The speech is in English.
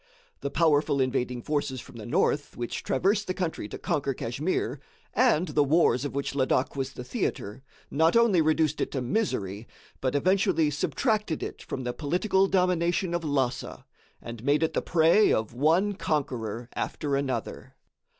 The powerful invading forces from the north which traversed the country to conquer Kachmyr, and the wars of which Ladak was the theatre, not only reduced it to misery, but eventually subtracted it from the political domination of Lhassa, and made it the prey of one conqueror after another.